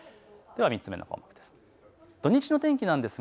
では２つ目の項目です。